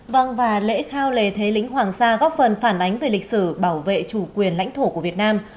vâng và lễ khao lề thế lính hoàng sa góp phần phản ánh về lịch sử bảo vệ chủ quyền lãnh thổ của việt nam